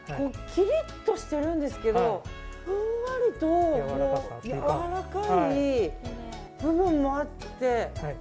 きりっとしてるんですけどふんわりとやわらかい部分もあって。